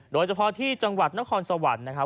โดยเฉพาะที่จังหวัดนครสวรรค์นะครับ